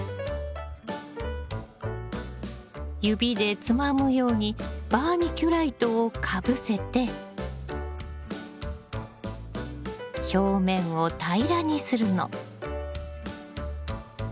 指でつまむようにバーミキュライトをかぶせて表面を平らにするの。